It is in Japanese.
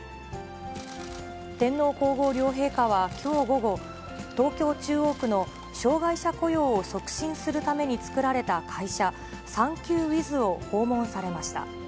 天皇皇后両陛下はきょう午後、東京・中央区の障がい者雇用を促進するためにつくられた会社、サンキュウ・ウィズを訪問されました。